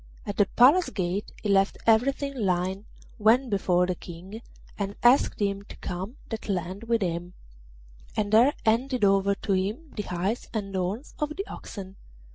At the Palace gate he left everything lying, went before the King, and asked him to come that length with him, and there handed over to him the hides and horns of the oxen.